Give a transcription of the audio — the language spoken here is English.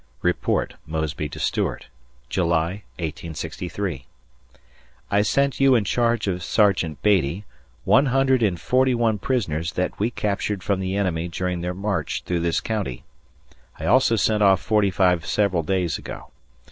] [Report, Mosby to Stuart] July, 1863. I sent you in charge of Sergeant Beattie, one hundred and forty one prisoners that we captured from the enemy during their march through this county. I also sent off forty five several days ago.